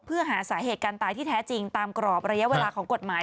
เพื่อหาสาเหตุการตายที่แท้จริงตามกรอบระยะเวลาของกฎหมาย